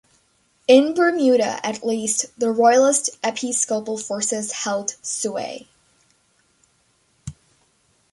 In Bermuda, at least, the Royalist-Episcopal forces held sway.